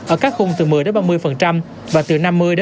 ở các khung từ một mươi ba mươi và từ năm mươi một trăm linh